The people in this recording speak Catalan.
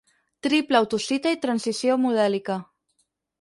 Triple autocita i transició modèlica.